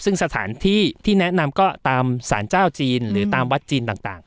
ซึ่งสถานที่ที่แนะนำก็ตามสารเจ้าจีนหรือตามวัดจีนต่าง